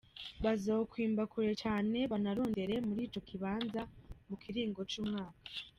Bazokwimba kure cane banarondere muri ico kibanza mu kiringo c'umwaka.